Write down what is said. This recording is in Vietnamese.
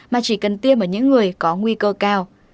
mà chỉ cần tiêm ở những người có nguy cơ cao